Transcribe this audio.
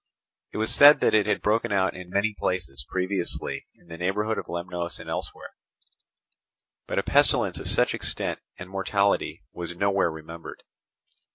It was said that it had broken out in many places previously in the neighbourhood of Lemnos and elsewhere; but a pestilence of such extent and mortality was nowhere remembered.